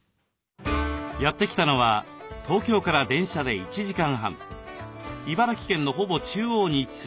やって来たのは東京から電車で１時間半茨城県のほぼ中央に位置する笠間市。